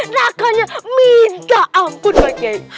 nakalnya minta ampun pak giai